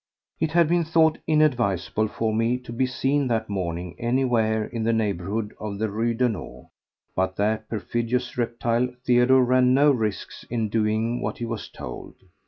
It had been thought inadvisable for me to be seen that morning anywhere in the neighbourhood of the Rue Daunou, but that perfidious reptile Theodore ran no risks in doing what he was told.